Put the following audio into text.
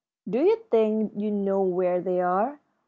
"Do you think you know where they are?